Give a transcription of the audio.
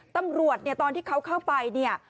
ตำรวจตอนที่เขาเข้าไป